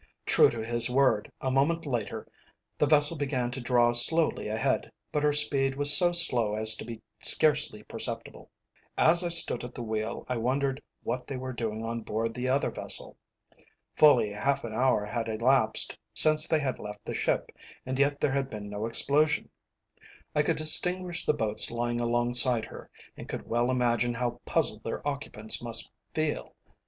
True to his word, a moment later the vessel began to draw slowly ahead, but her speed was so slow as to be scarcely perceptible. As I stood at the wheel I wondered what they were doing on board the other vessel. Fully half an hour had elapsed since they had left the ship, and yet there had been no explosion. I could distinguish the boats lying alongside her, and could well imagine how puzzled their occupants must feel.